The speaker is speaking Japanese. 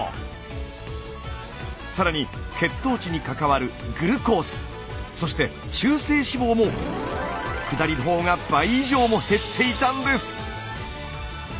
更に血糖値に関わるグルコースそして中性脂肪も下りのほうが倍以上も減っていたんです！